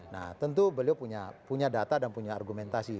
nah tentu beliau punya data dan punya argumentasi